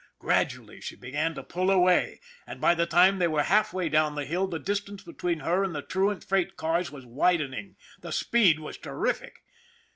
Gradually she began to pull away, and by the time they were half way down the hill the distance between her and the truant freight cars was widening. The speed was terrific.